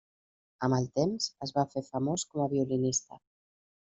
Amb el temps, es va fer famós com a violinista.